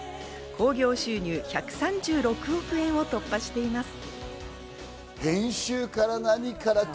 興行収入１３６億円を突破しています。